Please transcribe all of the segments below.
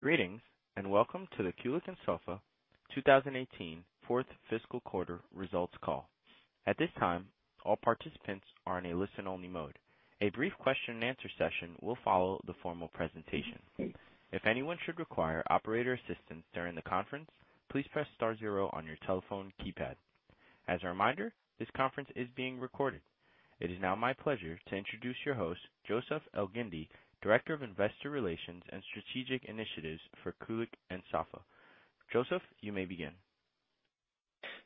Greetings, and welcome to the Kulicke and Soffa 2018 fourth fiscal quarter results call. At this time, all participants are in a listen-only mode. A brief question and answer session will follow the formal presentation. If anyone should require operator assistance during the conference, please press star zero on your telephone keypad. As a reminder, this conference is being recorded. It is now my pleasure to introduce your host, Joseph Elgindy, Director of Investor Relations and Strategic Initiatives for Kulicke and Soffa. Joseph, you may begin.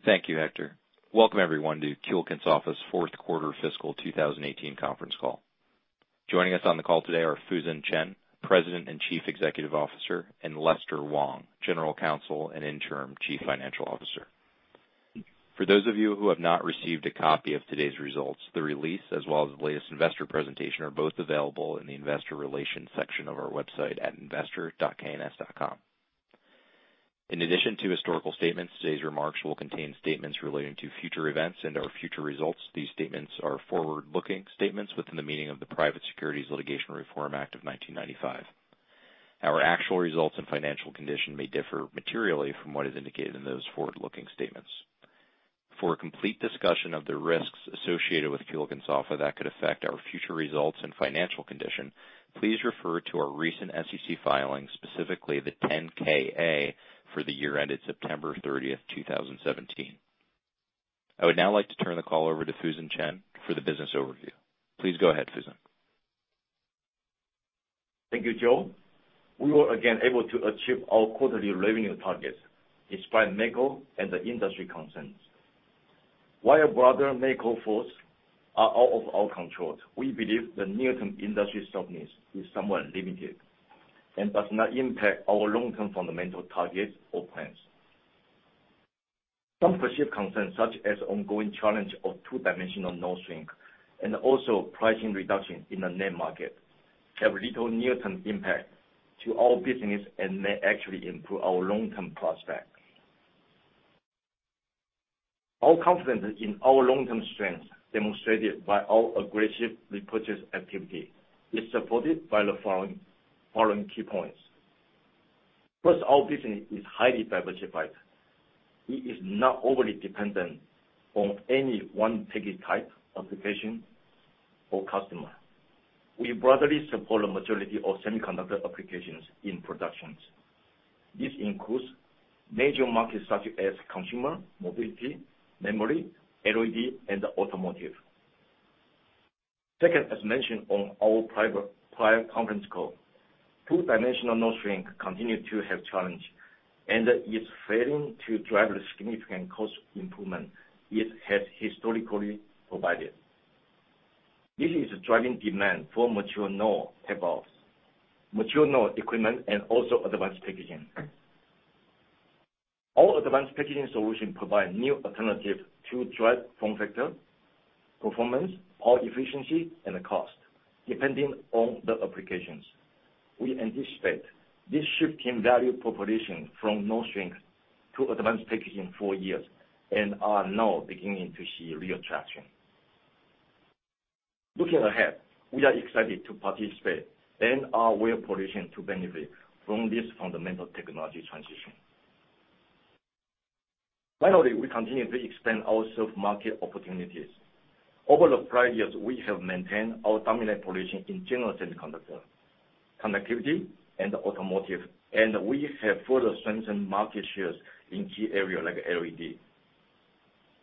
Thank you, Hector. Welcome, everyone, to Kulicke and Soffa's fourth quarter fiscal 2018 conference call. Joining us on the call today are Fusen Chen, President and Chief Executive Officer, and Lester Wong, General Counsel and Interim Chief Financial Officer. For those of you who have not received a copy of today's results, the release, as well as the latest investor presentation, are both available in the investor relations section of our website at investor.kns.com. In addition to historical statements, today's remarks will contain statements relating to future events and/or future results. These statements are forward-looking statements within the meaning of the Private Securities Litigation Reform Act of 1995. Our actual results and financial condition may differ materially from what is indicated in those forward-looking statements. For a complete discussion of the risks associated with Kulicke and Soffa that could affect our future results and financial condition, please refer to our recent SEC filings, specifically the [10-K] for the year ended September 30th, 2017. I would now like to turn the call over to Fusen Chen for the business overview. Please go ahead, Fusen. Thank you, Joe. We were again able to achieve our quarterly revenue targets despite macro and the industry concerns. While broader macro forces are out of our control, we believe the near-term industry softness is somewhat limited and does not impact our long-term fundamental targets or plans. Some perceived concerns, such as ongoing challenge of two-dimensional node shrink and also pricing reduction in the NAND market, have little near-term impact to our business and may actually improve our long-term prospects. Our confidence in our long-term strengths, demonstrated by our aggressive repurchase activity, is supported by the following key points. First, our business is highly diversified. It is not overly dependent on any one package type, application, or customer. We broadly support a majority of semiconductor applications in productions. This includes major markets such as consumer, mobility, memory, LED, and automotive. Second, as mentioned on our prior conference call, two-dimensional node shrink continue to have challenge, and it's failing to drive the significant cost improvement it has historically provided. This is driving demand for mature node equipment and also advanced packaging. Our advanced packaging solution provide new alternative to drive form factor, performance, power efficiency, and the cost, depending on the applications. We anticipate this shift in value proposition from node shrink to advanced packaging for years and are now beginning to see real traction. Looking ahead, we are excited to participate and are well-positioned to benefit from this fundamental technology transition. Finally, we continue to expand our served market opportunities. Over the prior years, we have maintained our dominant position in general semiconductor, connectivity, and automotive, and we have further strengthened market shares in key areas like LED.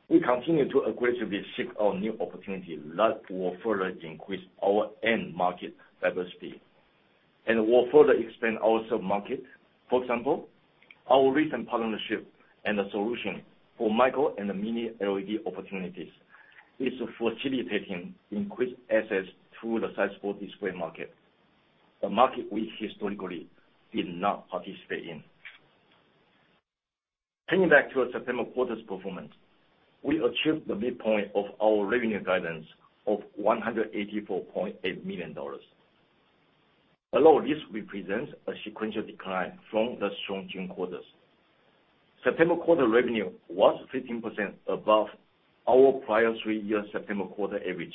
We continue to aggressively seek our new opportunity that will further increase our end-market diversity and will further expand our served market. For example, our recent partnership and the solution for micro and the mini LED opportunities is facilitating increased access to the sizable display market, a market we historically did not participate in. Turning back to our September quarter's performance, we achieved the midpoint of our revenue guidance of $184.8 million. Although this represents a sequential decline from the strong June quarters, September quarter revenue was 15% above our prior three-year September quarter average.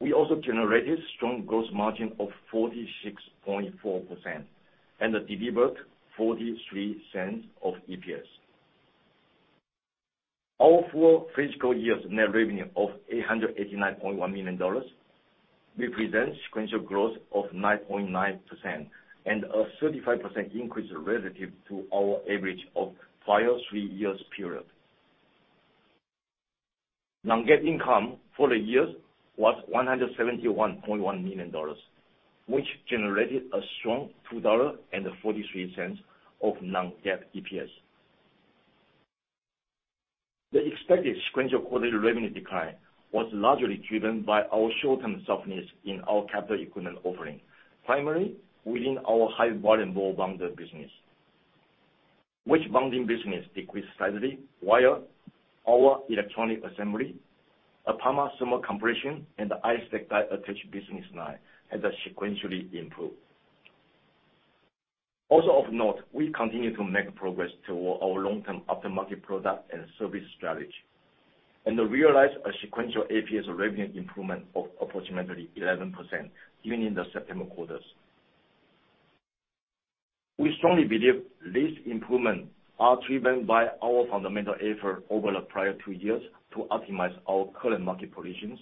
We also generated strong gross margin of 46.4% and delivered $0.43 of EPS. All four fiscal years net revenue of $889.1 million represents sequential growth of 9.9% and a 35% increase relative to our average of prior three years period. Non-GAAP income for the year was $171.1 million, which generated a strong $2.43 of non-GAAP EPS. The expected sequential quarter revenue decline was largely driven by our short-term softness in our capital equipment offering, primarily within our high-volume bonders business. [Wafer] bonding business decreased slightly, while our electronic assembly, thermal compression, and the die attach business line has sequentially improved. Also of note, we continue to make progress toward our long-term aftermarket product and service strategy. realize a sequential APS revenue improvement of approximately 11%, even in the September quarters. We strongly believe these improvements are driven by our fundamental effort over the prior two years to optimize our current market positions,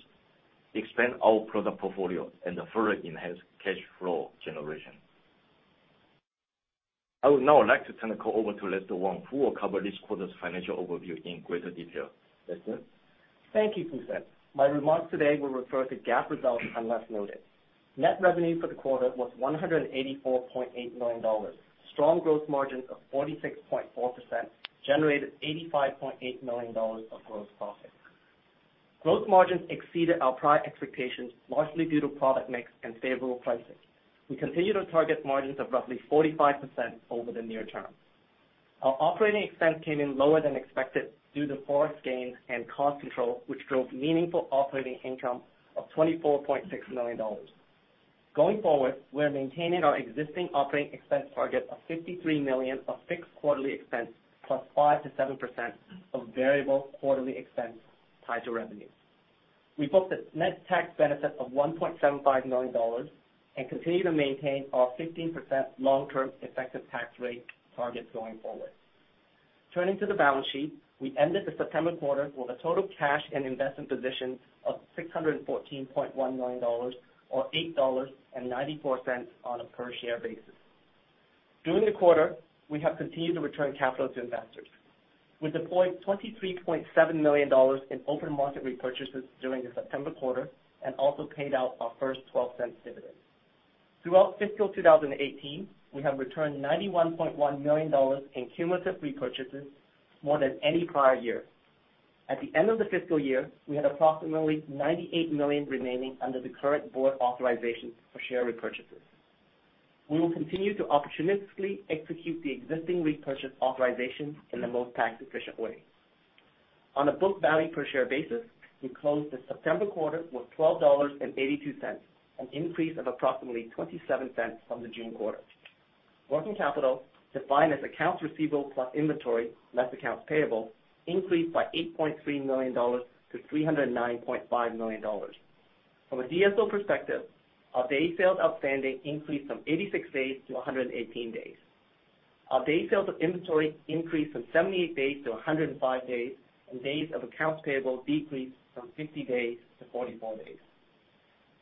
expand our product portfolio, and further enhance cash flow generation. I would now like to turn the call over to Lester Wong, who will cover this quarter's financial overview in greater detail. Lester? Thank you, Fusen. My remarks today will refer to GAAP results, unless noted. Net revenue for the quarter was $184.8 million. Strong growth margins of 46.4% generated $85.8 million of gross profit. Growth margins exceeded our prior expectations, largely due to product mix and favorable pricing. We continue to target margins of roughly 45% over the near term. Our operating expense came in lower than expected due to foreign gains and cost control, which drove meaningful operating income of $24.6 million. Going forward, we are maintaining our existing operating expense target of $53 million of fixed quarterly expense, plus 5%-7% of variable quarterly expense tied to revenue. We booked a net tax benefit of $1.75 million and continue to maintain our 15% long-term effective tax rate target going forward. Turning to the balance sheet, we ended the September quarter with a total cash and investment position of $614.1 million or $8.94 on a per share basis. During the quarter, we have continued to return capital to investors. We deployed $23.7 million in open market repurchases during the September quarter and also paid out our first $0.12 dividend. Throughout fiscal 2018, we have returned $91.1 million in cumulative repurchases, more than any prior year. At the end of the fiscal year, we had approximately $98 million remaining under the current board authorization for share repurchases. We will continue to opportunistically execute the existing repurchase authorizations in the most tax-efficient way. On a book value per share basis, we closed the September quarter with $12.82, an increase of approximately $0.27 from the June quarter. Working capital, defined as accounts receivable plus inventory, less accounts payable, increased by $8.3 million to $309.5 million. From a DSO perspective, our days sales outstanding increased from 86 days to 118 days. Our days sales of inventory increased from 78 days to 105 days, and days of accounts payable decreased from 50 days to 44 days.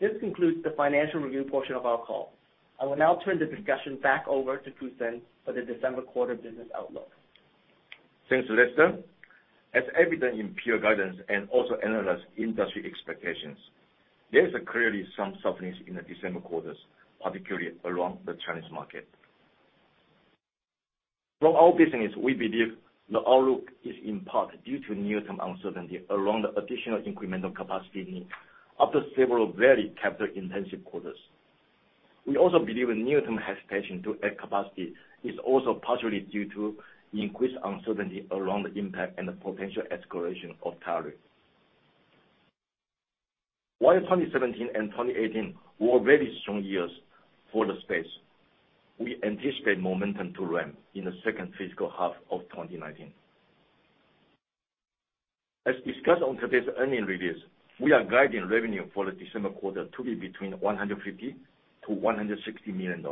This concludes the financial review portion of our call. I will now turn the discussion back over to Fusen for the December quarter business outlook. Thanks, Lester. As evident in peer guidance and also analyst industry expectations, there is clearly some softness in the December quarters, particularly around the Chinese market. From our business, we believe the outlook is in part due to near-term uncertainty around the additional incremental capacity need after several very capital-intensive quarters. We also believe a near-term hesitation to add capacity is also partially due to increased uncertainty around the impact and the potential escalation of tariffs. While 2017 and 2018 were very strong years for the space, we anticipate momentum to ramp in the second fiscal half of 2019. As discussed on today's earnings review, we are guiding revenue for the December quarter to be between $150 million-$160 million.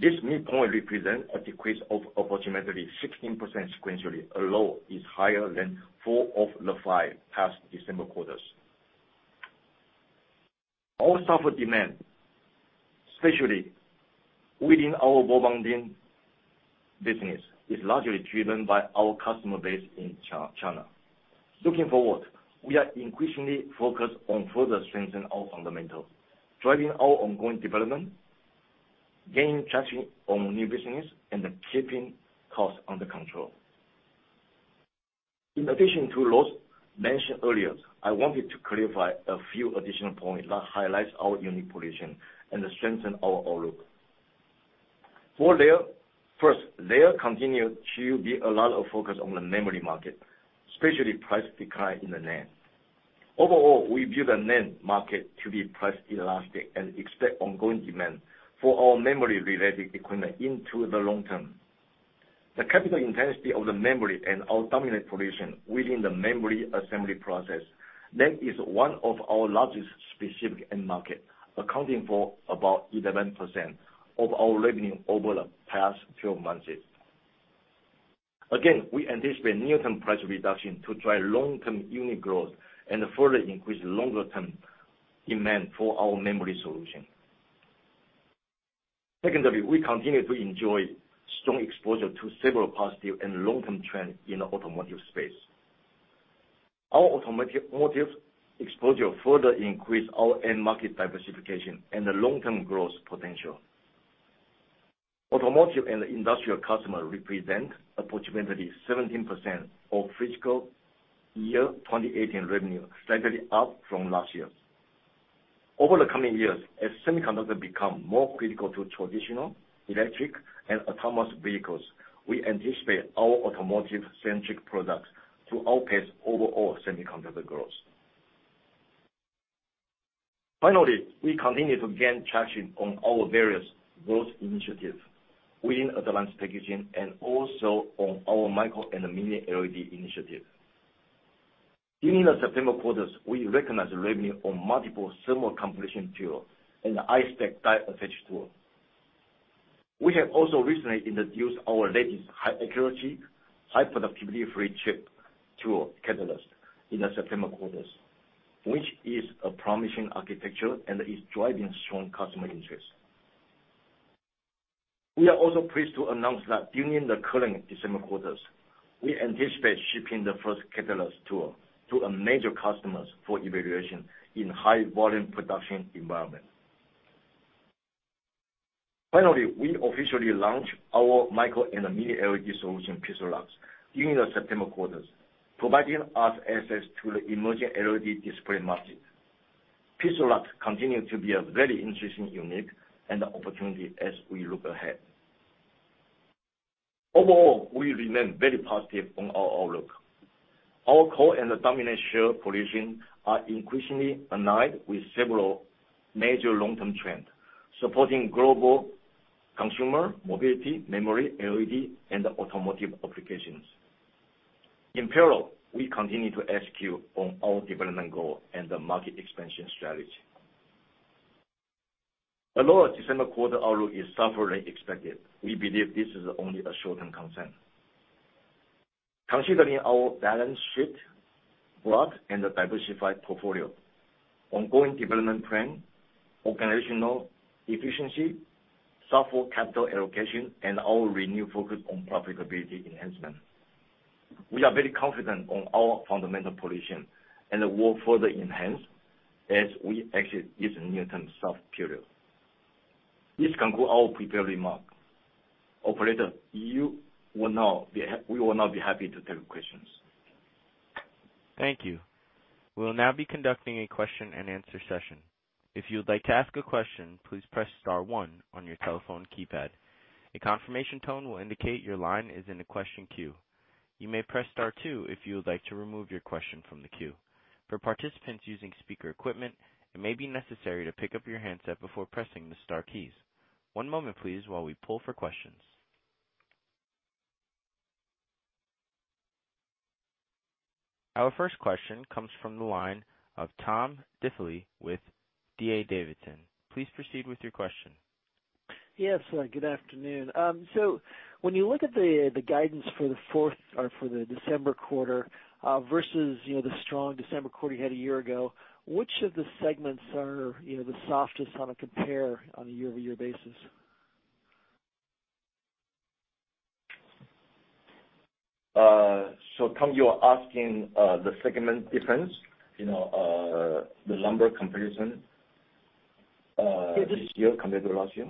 This midpoint represents a decrease of approximately 16% sequentially, although is higher than four of the five past December quarters. Our software demand, especially within our bonding business, is largely driven by our customer base in China. Looking forward, we are increasingly focused on further strengthening our fundamentals, driving our ongoing development, gaining traction on new business, and keeping costs under control. In addition to those mentioned earlier, I wanted to clarify a few additional points that highlight our unique position and strengthen our outlook. First, there continue to be a lot of focus on the memory market, especially price decline in the NAND. Overall, we view the NAND market to be price inelastic and expect ongoing demand for our memory-related equipment into the long term. The capital intensity of the memory and our dominant position within the memory assembly process. NAND is one of our largest specific end market, accounting for about 11% of our revenue over the past 12 months. We anticipate near-term price reduction to drive long-term unit growth and further increase longer-term demand for our memory solution. Secondly, we continue to enjoy strong exposure to several positive and long-term trends in the automotive space. Our automotive exposure further increased our end market diversification and the long-term growth potential. Automotive and industrial customers represent approximately 17% of fiscal year 2018 revenue, slightly up from last year. Over the coming years, as semiconductors become more critical to traditional, electric, and autonomous vehicles, we anticipate our automotive-centric products to outpace overall semiconductor growth. Finally, we continue to gain traction on our various growth initiatives within advanced packaging and also on our micro and mini LED initiatives. During the September quarter, we recognized revenue on multiple thermal compression tools and the iStack die attach tool. We have also recently introduced our latest high accuracy, high productivity flip chip tool, Katalyst, in the September quarter, which is a promising architecture and is driving strong customer interest. We are also pleased to announce that during the current December quarter, we anticipate shipping the first Katalyst tool to a major customer for evaluation in high volume production environment. Finally, we officially launched our micro and mini LED solution, PIXALUX, during the September quarter, providing us access to the emerging LED display market. PIXALUX continues to be a very interesting unit and opportunity as we look ahead. We remain very positive on our outlook. Our core and dominant share positions are increasingly aligned with several major long-term trends, supporting global consumer, mobility, memory, LED, and automotive applications. In parallel, we continue to execute on our development goal and the market expansion strategy. Our December quarter outlook is softer than expected, we believe this is only a short-term concern. Considering our balance sheet, broad and diversified portfolio, ongoing development plan, organizational efficiency, thoughtful capital allocation, and our renewed focus on profitability enhancement, we are very confident on our fundamental position and will further enhance as we exit this near-term soft period. This concludes our prepared remarks. Operator, we will now be happy to take questions. Thank you. We will now be conducting a question and answer session. If you would like to ask a question, please press star one on your telephone keypad. A confirmation tone will indicate your line is in the question queue. You may press star two if you would like to remove your question from the queue. For participants using speaker equipment, it may be necessary to pick up your handset before pressing the star keys. One moment please, while we poll for questions. Our first question comes from the line of Tom Diffely with D.A. Davidson. Please proceed with your question. Yes. Good afternoon. When you look at the guidance for the December quarter versus the strong December quarter you had a year ago, which of the segments are the softest on a compare on a year-over-year basis? Tom, you are asking the segment difference, the number comparison this year compared to last year?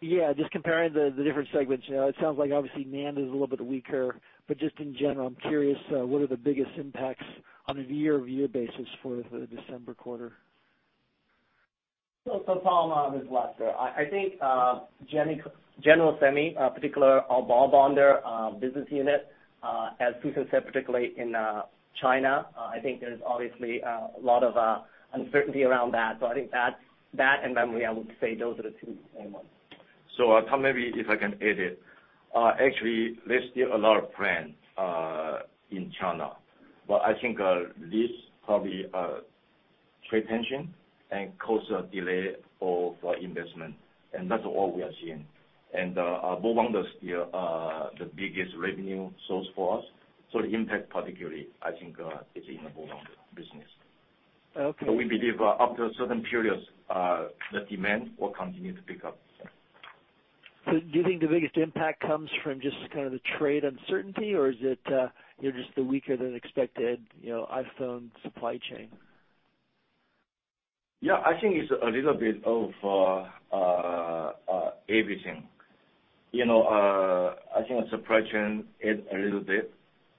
Yeah, just comparing the different segments. It sounds like obviously NAND is a little bit weaker, but just in general, I'm curious, what are the biggest impacts on a year-over-year basis for the December quarter? Tom, this is Lester. I think general semi, particular our ball bonder business unit, as Fusen said, particularly in China, I think there's obviously a lot of uncertainty around that. I think that and memory, I would say those are the two main ones. Tom, maybe if I can add it. Actually, there's still a lot of plans in China, but I think this probably trade tension and cause a delay of investment, and that's all we are seeing. Ball bonder is still the biggest revenue source for us. The impact, particularly, I think, is in the ball bonder business. Okay. We believe after certain periods, the demand will continue to pick up. Do you think the biggest impact comes from just the trade uncertainty, or is it just the weaker than expected iPhone supply chain? Yeah, I think it's a little bit of everything. I think supply chain is a little bit,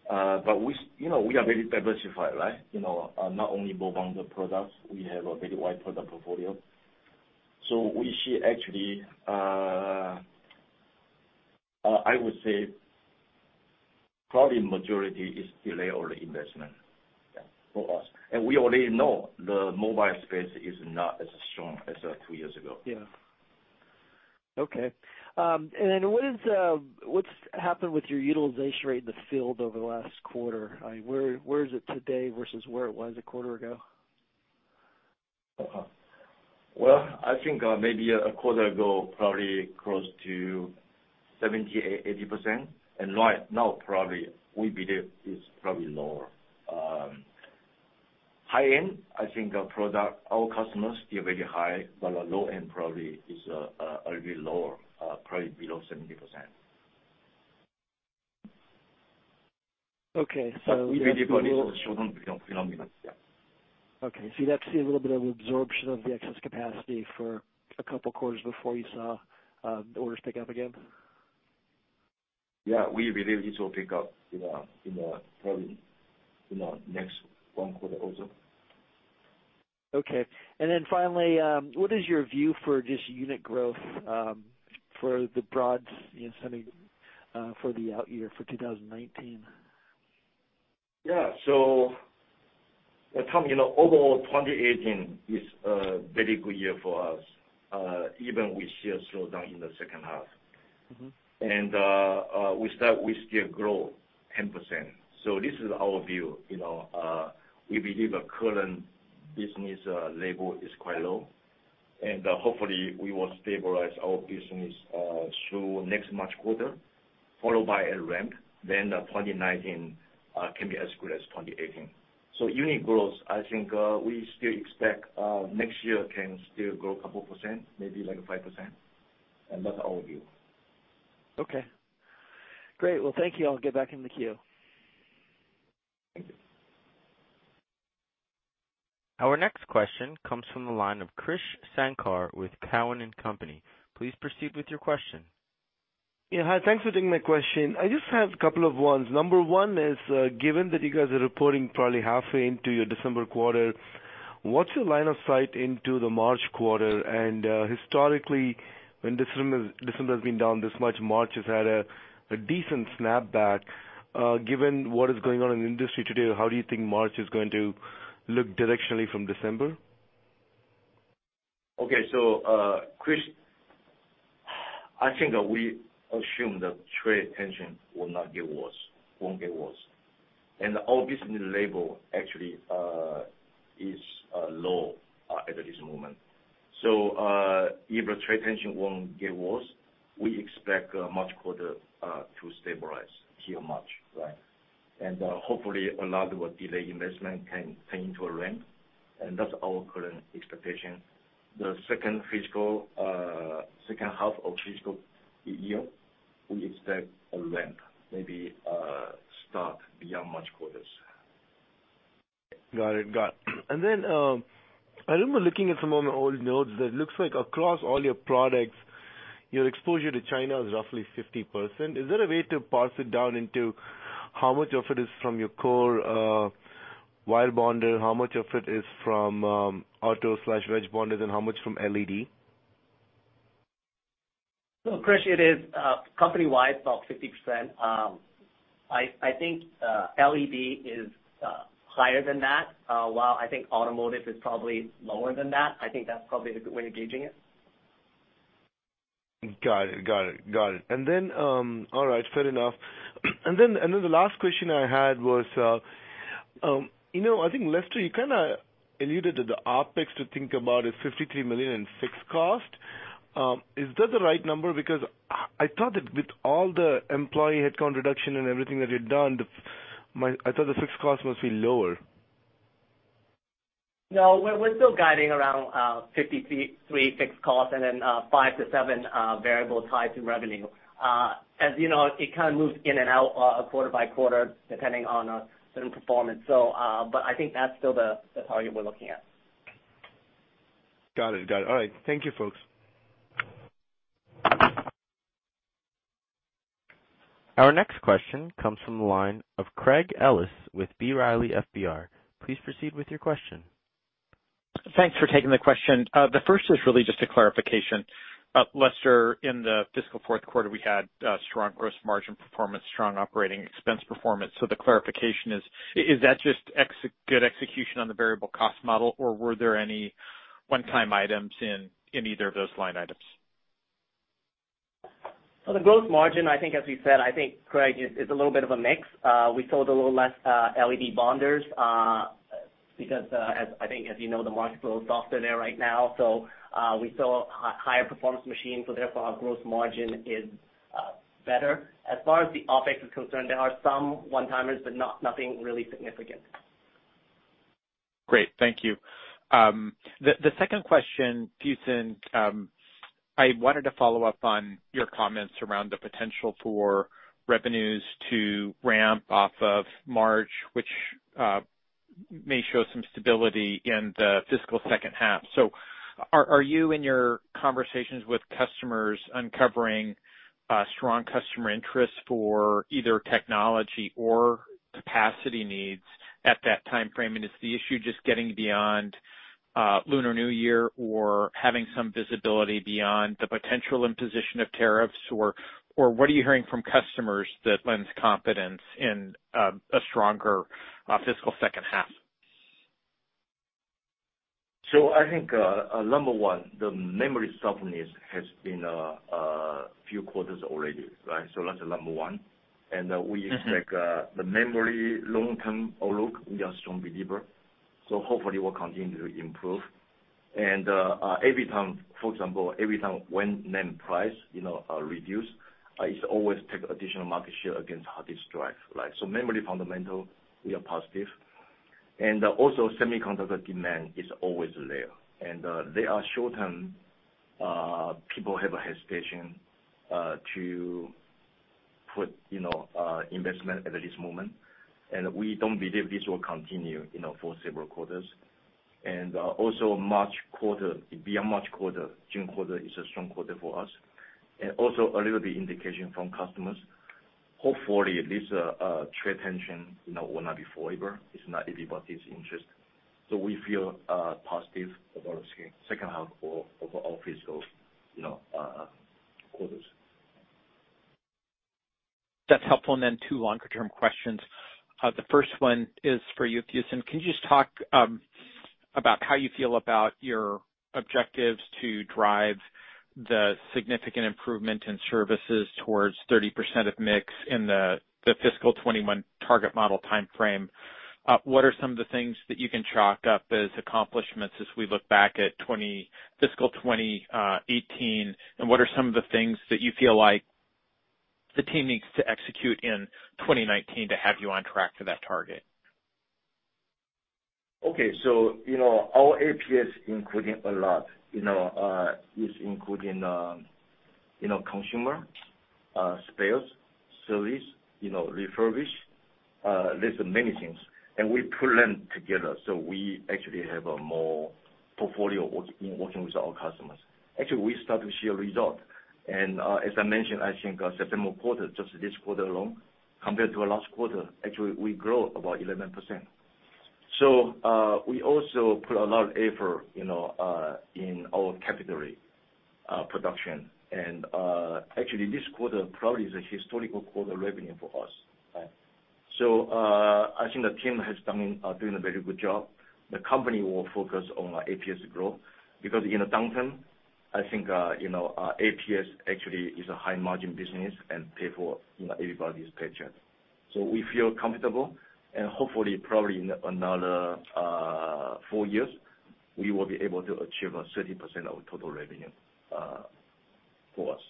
but we are very diversified, right? Not only ball bonder products, we have a very wide product portfolio. We see actually, I would say probably majority is delay on investment for us. We already know the mobile space is not as strong as two years ago. Okay. Then what's happened with your utilization rate in the field over the last quarter? Where is it today versus where it was a quarter ago? Well, I think maybe a quarter ago, probably close to 70%, 80%. Right now, probably we believe it's probably lower. High-end, I think our customers still very high, the low end probably is a little lower, probably below 70%. Okay. We got to a little- Maybe for this short term, [below 70%]. Yeah. Okay. You'd have to see a little bit of absorption of the excess capacity for a couple of quarters before you saw the orders pick up again? Yeah. We believe it will pick up in probably next one quarter or so. Okay. Finally, what is your view for just unit growth for the broad semi for the out year for 2019? Yeah. Tom, overall 2018 is a very good year for us, even with sales slow down in the second half. We still grow 10%. This is our view. We believe the current business level is quite low, hopefully we will stabilize our business through next March quarter, followed by a ramp, 2019 can be as good as 2018. Unit growth, I think we still expect next year can still grow a couple percent, maybe like 5%, and that's our view. Okay. Great. Well, thank you. I'll get back in the queue. Thank you. Our next question comes from the line of Krish Sankar with Cowen and Company. Please proceed with your question. Yeah. Hi, thanks for taking my question. I just have a couple of ones. Number one is, given that you guys are reporting probably halfway into your December quarter, what's your line of sight into the March quarter? Historically, when December has been down this much, March has had a decent snap back. Given what is going on in the industry today, how do you think March is going to look directionally from December? Okay. Krish, I think that we assume that trade tension will not get worse. Our business level actually is low at this moment. If the trade tension won't get worse, we expect March quarter to stabilize till March. Right? Hopefully, a lot of our delayed investment can turn into a ramp, and that's our current expectation. The second half of fiscal year, we expect a ramp, maybe start beyond March quarters. Got it. I remember looking at some of my old notes, that looks like across all your products, your exposure to China is roughly 50%. Is there a way to parse it down into how much of it is from your core ball bonder, how much of it is from auto/wedge bonders, and how much from LED? Krish, it is company-wide, about 50%. I think LED is higher than that, while I think automotive is probably lower than that. I think that's probably a good way of gauging it. Got it. All right, fair enough. Then the last question I had was, I think, Lester, you kind of alluded to the OpEx to think about is $53 million in fixed cost. Is that the right number? Because I thought that with all the employee headcount reduction and everything that you'd done, I thought the fixed cost must be lower. No, we're still guiding around $53 fixed cost, then $5-$7 variable tied to revenue. As you know, it kind of moves in and out quarter-by-quarter depending on certain performance. I think that's still the target we're looking at. Got it. All right. Thank you, folks. Our next question comes from the line of Craig Ellis with [B. Riley Securities]. Please proceed with your question. Thanks for taking the question. The first is really just a clarification. Lester, in the fiscal fourth quarter, we had strong gross margin performance, strong operating expense performance. The clarification is that just good execution on the variable cost model, or were there any one-time items in either of those line items? The gross margin, I think as we said, I think, Craig, it's a little bit of a mix. We sold a little less LED bonders, because I think as you know, the market's a little softer there right now. We saw higher performance machines, therefore our gross margin is better. As far as the OpEx is concerned, there are some one-timers, nothing really significant. Great. Thank you. The second question, Fusen, I wanted to follow up on your comments around the potential for revenues to ramp off of March, which may show some stability in the fiscal second half. Are you, in your conversations with customers, uncovering strong customer interest for either technology or capacity needs at that timeframe? Is the issue just getting beyond Lunar New Year or having some visibility beyond the potential imposition of tariffs, what are you hearing from customers that lends confidence in a stronger fiscal second half? I think, number one, the memory softness has been a few quarters already, right? That's number one. We expect the memory long-term outlook, we are strong believer, hopefully will continue to improve. For example, every time when NAND price reduce, it always take additional market share against hard disk drive. Memory fundamental, we are positive. Semiconductor demand is always there. There are short-term, people have a hesitation to put investment at this moment, we don't believe this will continue for several quarters. March quarter, beyond March quarter, June quarter is a strong quarter for us. A little bit indication from customers. Hopefully, this trade tension will not be forever. It's not in anybody's interest. We feel positive about second half of our fiscal quarters. That's helpful. Two longer-term questions. The first one is for you, Fusen. Can you just talk about how you feel about your objectives to drive the significant improvement in services towards 30% of mix in the fiscal 2021 target model timeframe? What are some of the things that you can chalk up as accomplishments as we look back at fiscal 2018, what are some of the things that you feel like the team needs to execute in 2019 to have you on track for that target? Okay. Our APS includes a lot. It includes consumer spares, service, refurbish. There's many things, we put them together, we actually have more portfolio in working with our customers. Actually, we start to see a result. As I mentioned, I think September quarter, just this quarter alone, compared to last quarter, actually, we grew about 11%. We also put a lot of effort in our capillary production. Actually, this quarter probably is a historical quarter revenue for us. I think the team has done a very good job. The company will focus on APS growth because in the long term, I think, APS actually is a high margin business and pay for everybody's paycheck. We feel comfortable, hopefully, probably in another four years, we will be able to achieve 30% of total revenue for us.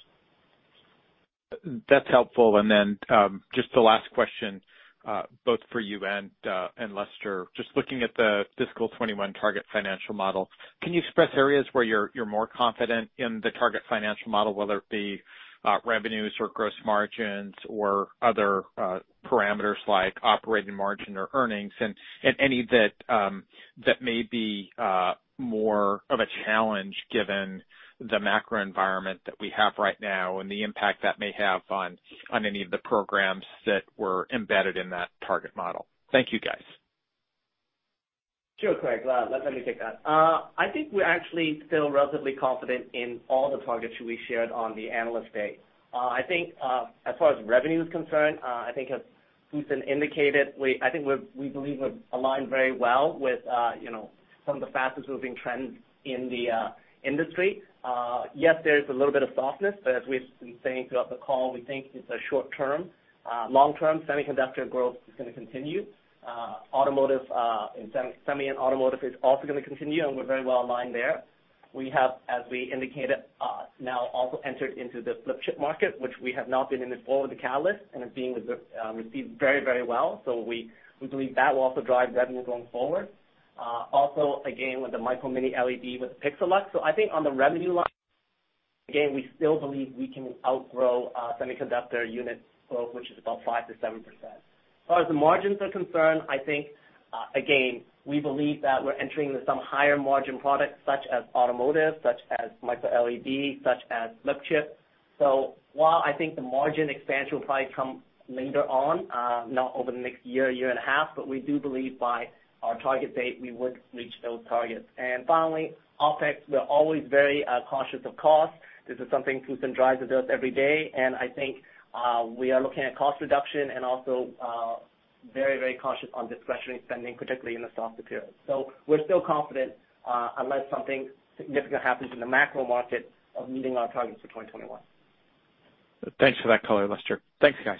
That's helpful. Just the last question, both for you and Lester. Just looking at the fiscal 2021 target financial model, can you express areas where you're more confident in the target financial model, whether it be revenues or gross margins or other parameters like operating margin or earnings, any that may be more of a challenge given the macro environment that we have right now and the impact that may have on any of the programs that were embedded in that target model? Thank you, guys. Sure, Craig. Let me take that. We are actually still relatively confident in all the targets that we shared on the Analyst Day. As far as revenue is concerned, as Fusen indicated, we believe we have aligned very well with some of the fastest moving trends in the industry. Yes, there is a little bit of softness, but as we have been saying throughout the call, we think it is short term. Long term, semiconductor growth is going to continue. Semiconductor and automotive is also going to continue, and we are very well aligned there. We have, as we indicated, now also entered into the flip chip market, which we have not been in before with the Katalyst and is being received very well. We believe that will also drive revenue going forward. Also, again, with the micro mini LED with PIXALUX. On the revenue line, again, we still believe we can outgrow semiconductor unit growth, which is about 5%-7%. As far as the margins are concerned, again, we believe that we are entering into some higher margin products such as automotive, such as micro LED, such as flip chip. While the margin expansion will probably come later on, not over the next year and a half, we do believe by our target date, we would reach those targets. Finally, OpEx, we are always very cautious of cost. This is something Fusen drives with us every day, and we are looking at cost reduction and also very cautious on discretionary spending, particularly in the softer periods. We are still confident, unless something significant happens in the macro market, of meeting our targets for 2021. Thanks for that color, Lester. Thanks, guys.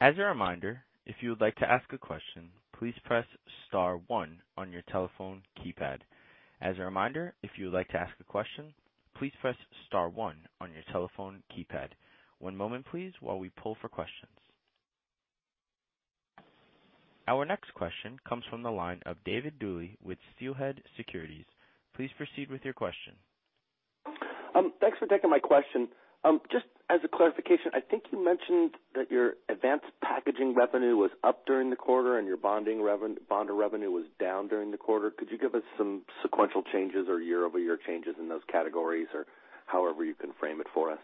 As a reminder, if you would like to ask a question, please press star one on your telephone keypad. As a reminder, if you would like to ask a question, please press star one on your telephone keypad. One moment, please, while we pull for questions. Our next question comes from the line of David Duley with Steelhead Securities. Please proceed with your question. Thanks for taking my question. Just as a clarification, I think you mentioned that your advanced packaging revenue was up during the quarter and your bonder revenue was down during the quarter. Could you give us some sequential changes or year-over-year changes in those categories, or however you can frame it for us?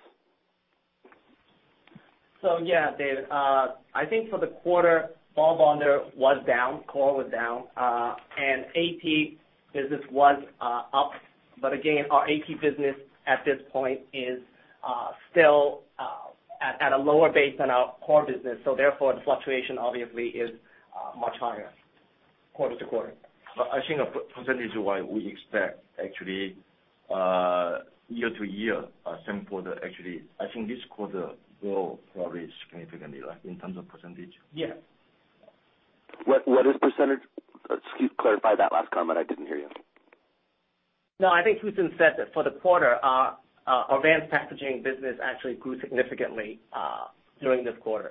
Yeah, David. I think for the quarter, ball bonder was down, core was down, and AP business was up. Again, our AP business at this point is still at a lower base than our core business, therefore, the fluctuation obviously is much higher quarter-over-quarter. I think percentage-wise, we expect actually year-over-year, same quarter actually. I think this quarter will probably significantly in terms of percentage. Yes. What is the percentage? Could you clarify that last comment? I didn't hear you. I think Fusen said that for the quarter, our advanced packaging business actually grew significantly during this quarter.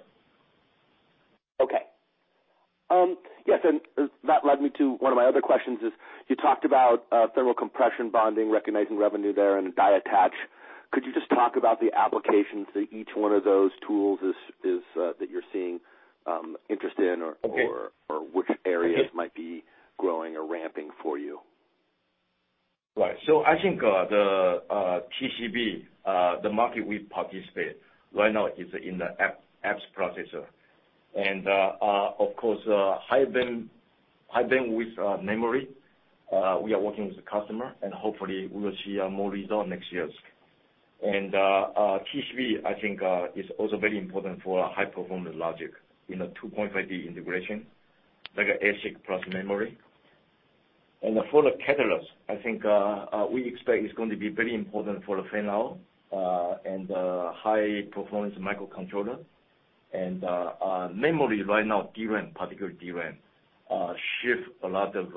That led me to one of my other questions is, you talked about thermal compression bonding, recognizing revenue there, and die attach. Could you just talk about the applications that each one of those tools that you're seeing interest in or... Okay. Or which areas might be growing or ramping for you? I think the TCB, the market we participate right now is in the apps processor. Of course, High Bandwidth Memory, we are working with the customer, and hopefully we will see more results next year. TCB, I think, is also very important for high-performance logic in a 2.5D integration, like an ASIC plus memory. For the Katalyst, I think we expect it's going to be very important for the fan-out and the high-performance microcontroller. Memory right now, DRAM, particularly DRAM, shifts a lot of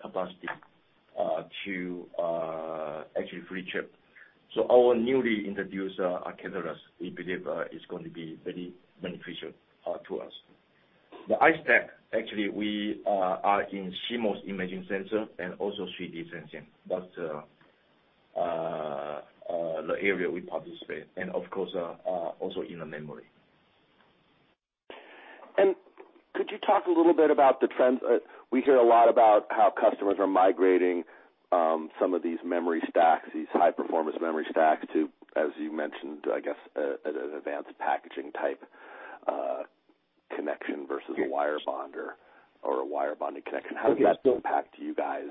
capacity to actually 3D chip. Our newly introduced Katalyst, we believe, is going to be very beneficial to us. The iStack, actually, we are in CMOS imaging sensor and also 3D sensing. That's the area we participate. Of course, also in the memory. Could you talk a little bit about the trends? We hear a lot about how customers are migrating some of these memory stacks, these high-performance memory stacks to, as you mentioned, I guess, an advanced packaging type connection versus a wire bonder or a wire bonding connection. How does that impact you guys?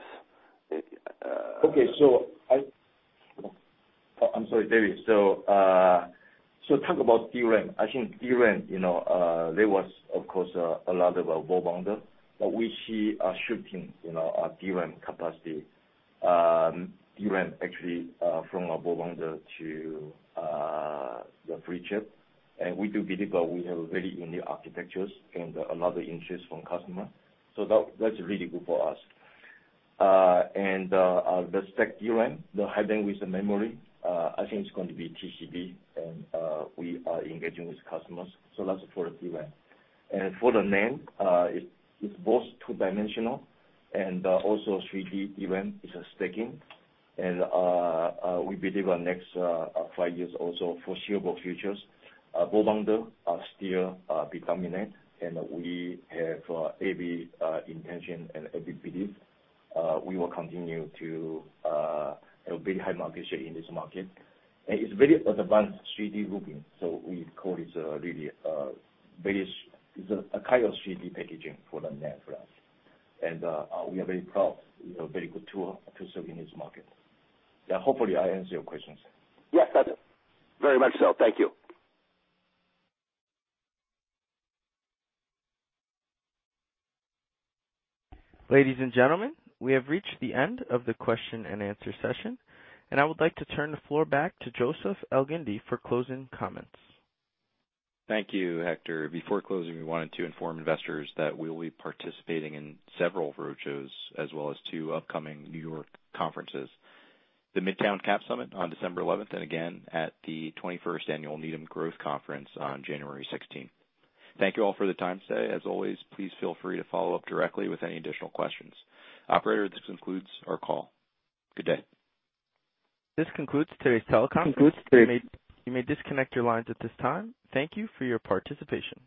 Oh, I'm sorry, Dave. Talk about DRAM. I think DRAM, there was, of course, a lot of ball bonder, but we see a shifting DRAM capacity. DRAM actually from a ball bonder to the 3D chip. We do believe we have very unique architectures and a lot of interest from customers. That's really good for us. The High Bandwidth Memory, I think it's going to be TCB, and we are engaging with customers. That's for DRAM. For the NAND, it's both two-dimensional and also 3D [DRAM] is stacking. We believe in the next five years, also foreseeable future, ball bonder are still predominant, and we have every intention and every belief we will continue to have very high market share in this market. It's very advanced 3D grouping, we call this really a kind of 3D packaging for the NAND flash. We are very proud. We have very good tools to serve in this market. Yeah, hopefully I answered your questions. Yes, does it. Very much so. Thank you. Ladies and gentlemen, we have reached the end of the question and answer session, and I would like to turn the floor back to Joseph Elgindy for closing comments. Thank you, Hector. Before closing, we wanted to inform investors that we will be participating in several roadshows as well as two upcoming New York conferences, the Midtown CAP Summit on December 11th and again at the 21st Annual Needham Growth Conference on January 16th. Thank you all for the time today. As always, please feel free to follow up directly with any additional questions. Operator, this concludes our call. Good day. This concludes today's teleconference. You may disconnect your lines at this time. Thank you for your participation.